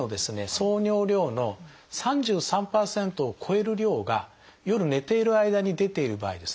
総尿量の３３％を超える量が夜寝ている間に出ている場合ですね